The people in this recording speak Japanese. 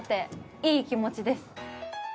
いい気持ちです。